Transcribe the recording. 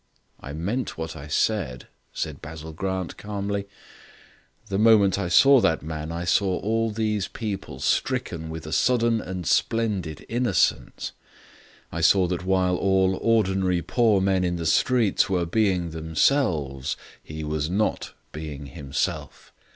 "I meant what I said," said Basil Grant calmly. "The moment I saw that man, I saw all these people stricken with a sudden and splendid innocence. I saw that while all ordinary poor men in the streets were being themselves, he was not being himself.